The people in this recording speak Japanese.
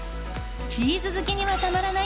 チーズ好きにはたまらない